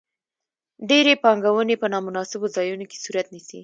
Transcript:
ډېرې پانګونې په نا مناسبو ځایونو کې صورت نیسي.